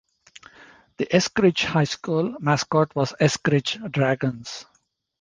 The Eskridge High School mascot was Eskridge Dragons.